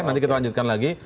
nanti kita lanjutkan lagi